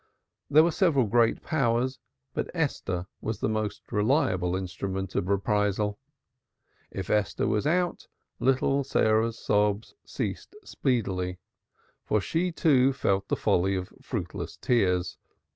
There were several great powers but Esther was the most trusty instrument of reprisal. If Esther was out little Sarah's sobs ceased speedily, for she, too, felt the folly of fruitless tears.